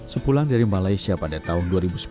sepulang dari malaysia pada tahun dua ribu sepuluh